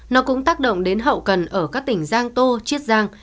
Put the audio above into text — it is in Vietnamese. nó cũng tác động đến hậu cần ở các tỉnh giang tô chiết giang